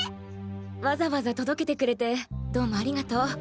わざわざ届けてくれてどうもありがとう。